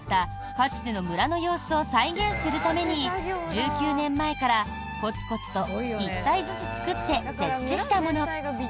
かつての村の様子を再現するために１９年前からコツコツと１体ずつ作って設置したもの。